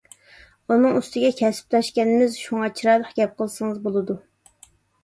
ئۇنىڭ ئۈستىگە كەسىپداشكەنمىز. شۇڭا چىرايلىق گەپ قىلسىڭىز بولىدۇ.